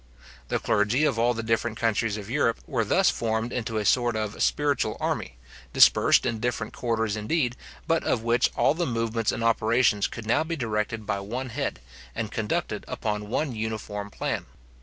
The clergy of all the different countries of Europe were thus formed into a sort of spiritual army, dispersed in different quarters indeed, but of which all the movements and operations could now be directed by one head, and conducted upon one uniform plan.